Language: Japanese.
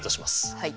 はい。